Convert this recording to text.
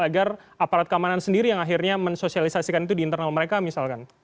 agar aparat keamanan sendiri yang akhirnya mensosialisasikan itu di internal mereka misalkan